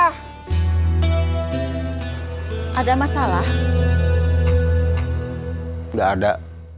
ya udah kita pulang dulu aja